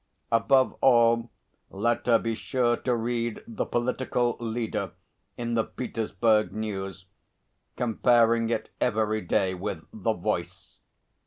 Above all, let her be sure to read the political leader in the Petersburg News, comparing it every day with the Voice.